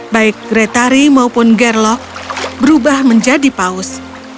baik gretari maupun gerlok berubah menjadi paus